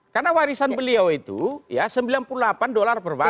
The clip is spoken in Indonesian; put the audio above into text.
karena warisan beliau itu sembilan puluh delapan dolar per bareng